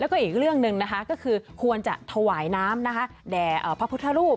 แล้วก็อีกเรื่องหนึ่งนะคะก็คือควรจะถวายน้ำนะคะแด่พระพุทธรูป